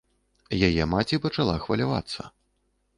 Яе маці пачала хвалявацца.